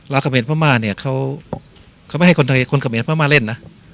ลาวกะเมียนพระม่าเนี่ยเขาไม่ให้คนไทยคนกะเมียนพระม่าเล่นนะ